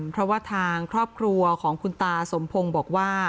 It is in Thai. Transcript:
เพราะว่าทางครอบครัวของคุณตาสมพงศ์บอกว่า